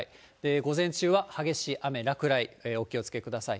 午前中は激しい雨、落雷、お気をつけください。